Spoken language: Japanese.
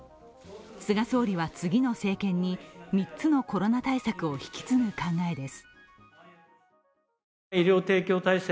菅総理は次の政権に、３つのコロナ対策を引き継ぐ考えです。